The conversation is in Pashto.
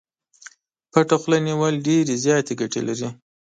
پټه خوله نيول ډېرې زياتې ګټې لري.